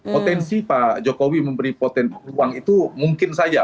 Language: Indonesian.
potensi pak jokowi memberi potensi uang itu mungkin saja